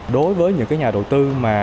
đối với những nhà đầu tư